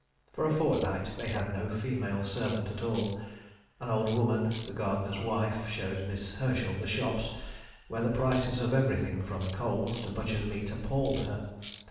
For a fortnight they had no female servant at all; an old woman, the gardener's wife, showed Miss Herschel the shops, where the prices of everything, from coals to butcher's meat, appalled her.